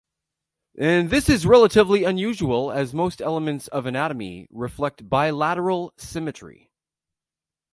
This is relatively unusual, as most elements of anatomy reflect bilateral symmetry.